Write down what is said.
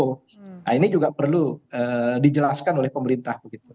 nah ini juga perlu dijelaskan oleh pemerintah